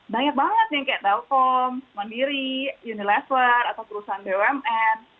banyak banget nih kayak telkom mandiri unilever atau perusahaan bumn